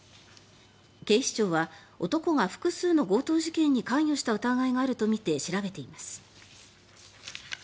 警視庁は男が複数の強盗事件に関与した疑いがあるとみて調べています。